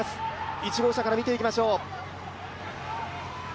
１号車から見ていきましょう。